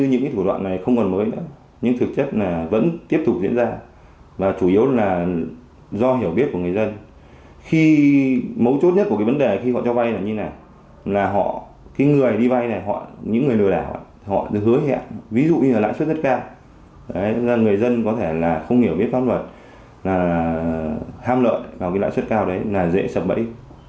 ham lợi vào cái lãi suất cao đấy là dễ sập bẫy